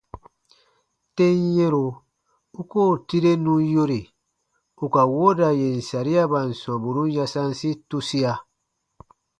Tem yɛ̃ro u koo tirenu yore ù ka wooda yèn sariaban sɔmburun yasansi tusia.